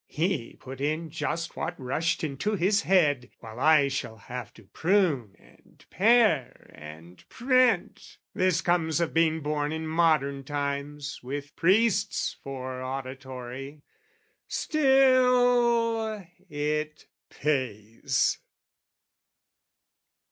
He put in just what rushed into his head, While I shall have to prune and pare and print. This comes of being born in modern times With priests for auditory. Still, it pays.